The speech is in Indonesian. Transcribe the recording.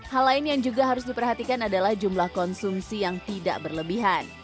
hal lain yang juga harus diperhatikan adalah jumlah konsumsi yang tidak berlebihan